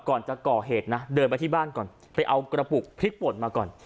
ก่อนจะก่อเหตุนะเดินไปที่บ้านก่อนไปเอากระปุกพริกป่นมาก่อน